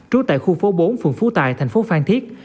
trú tại khu phố bốn phường phú tài thành phố phan thiết